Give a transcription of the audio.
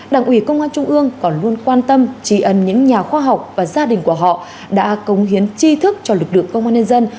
đảng ủy công an trung ương còn luôn quan tâm trí ân những nhà khoa học và gia đình của họ đã cống hiến chi thức cho lực lượng công an nhân dân